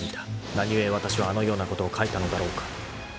［何故わたしはあのようなことを書いたのだろうか］